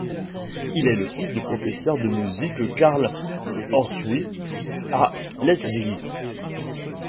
Il est le fils du professeur de musique Karl Ortwein à Leipzig.